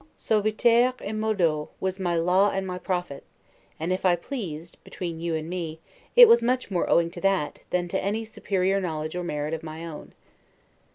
'Suaviter in modo' was my law and my prophets; and if I pleased (between you and me) it was much more owing to that, than to any superior knowledge or merit of my own.